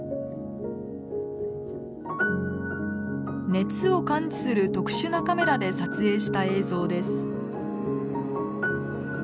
熱を感知する特殊なカメラで撮影した映像です。